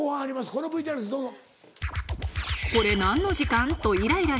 このＶＴＲですどうぞ。